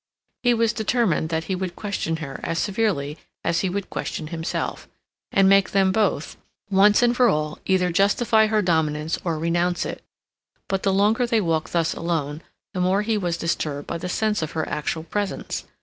He was determined that he would question her as severely as he would question himself; and make them both, once and for all, either justify her dominance or renounce it. But the longer they walked thus alone, the more he was disturbed by the sense of her actual presence.